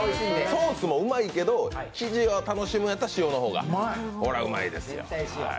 ソースもうまいけど、生地を楽しむんだったら塩の方が、ほらうまいですよ。